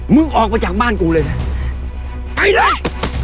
ออกมาจากบ้านกูเลยนะไปเลย